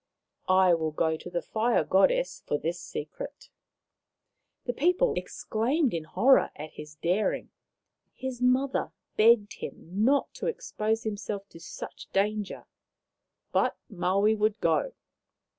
" I will go to the Fire Goddess for this secret." The people exclaimed in horror at his daring. His mother begged him not to expose himself to such danger. But Maui would go.